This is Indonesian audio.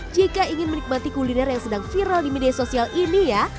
jika ingin menikmati kuliner yang sedang viral di media sosial ini ya